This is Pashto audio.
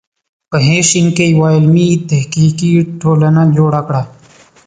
په ه ش کې یوه علمي تحقیقي ټولنه جوړه کړه.